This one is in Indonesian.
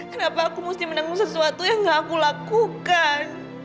kenapa aku mesti menanggung sesuatu yang gak aku lakukan